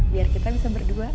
biar kita bisa berduaan